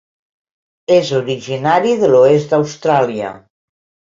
És originari de l'oest d'Austràlia.